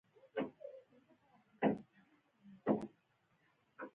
د بیا رغاونې او پرمختګ لپاره هڅې کوي.